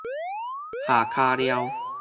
下跤料